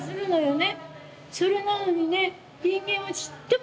ね